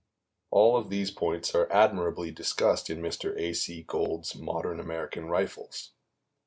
All of these points are admirably discussed in Mr. A. C. Gould's "Modern American Rifles."